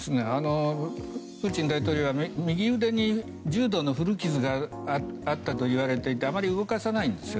プーチン大統領は右腕に重度の古傷があったといわれていてあまり動かさないんですよ。